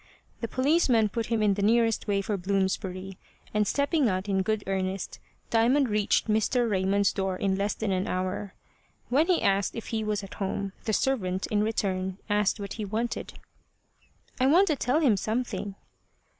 The policeman put him in the nearest way for Bloomsbury, and stepping out in good earnest, Diamond reached Mr. Raymond's door in less than an hour. When he asked if he was at home, the servant, in return, asked what he wanted. "I want to tell him something."